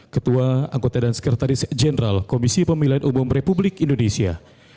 ketua anggota dan sekretaris jenderal komisi pemilihan umum republik indonesia